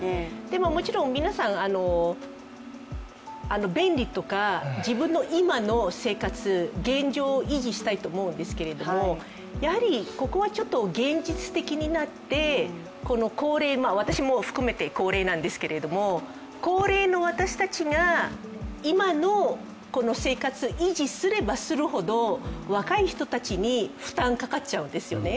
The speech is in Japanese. もちろん皆さん、便利とか、自分の今の生活、現状を維持したいと思うんですけれども、やはりここはちょっと現実的になって高齢、私も含めて高齢なんですけれども高齢の私たちが今の生活を維持すればするほど若い人たちに負担がかかっちゃうんですよね、